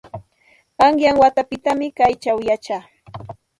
Qanyan watapitam kaćhaw yachaa.